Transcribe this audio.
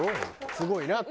すごいなと。